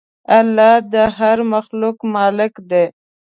الله د هر مخلوق مالک دی.